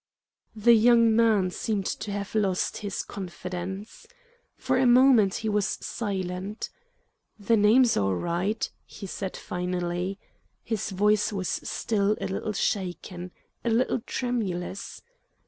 The young man seemed to have lost his confidence. For a moment he was silent. "The name's all right!" he said finally. His voice was still a little shaken, a little tremulous.